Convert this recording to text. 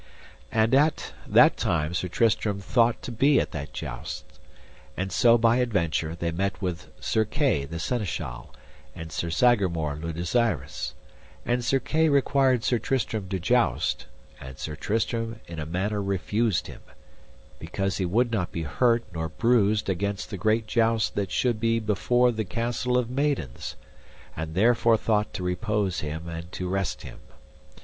And at that time Sir Tristram thought to be at that jousts; and so by adventure they met with Sir Kay, the Seneschal, and Sir Sagramore le Desirous; and Sir Kay required Sir Tristram to joust, and Sir Tristram in a manner refused him, because he would not be hurt nor bruised against the great jousts that should be before the Castle of Maidens, and therefore thought to repose him and to rest him.